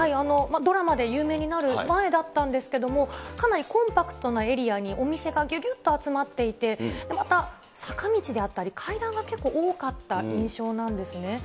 ドラマで有名になる前だったんですけれども、かなりコンパクトなエリアにお店がぎゅぎゅっと集まっていて、また坂道であったり階段が結構多かった印象なんですね。